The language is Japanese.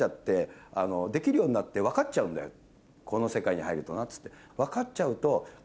「この世界に入るとな」っつって。